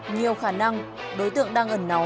nhiều khả năng đối tượng đang ẩn náu